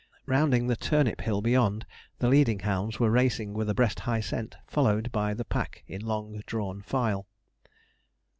Rounding the turnip hill beyond, the leading hounds were racing with a breast high scent, followed by the pack in long drawn file.